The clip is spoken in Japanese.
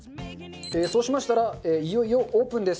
そうしましたらいよいよオープンです。